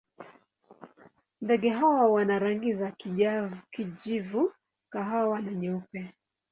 Ndege hawa wana rangi za kijivu, kahawa na nyeupe.